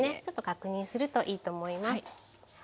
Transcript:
ちょっと確認するといいと思います。